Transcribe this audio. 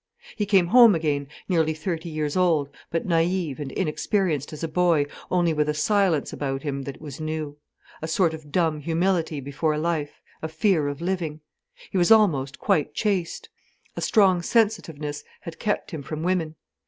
He came home again, nearly thirty years old, but naïve and inexperienced as a boy, only with a silence about him that was new: a sort of dumb humility before life, a fear of living. He was almost quite chaste. A strong sensitiveness had kept him from women.